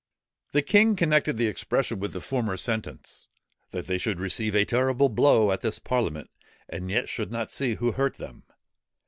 The king connected the expression with the former sentence, _"That they should receive a terrible blow at this parliament, and yet should not see who hurt them."